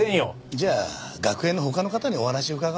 じゃあ学園の他の方にお話伺おう。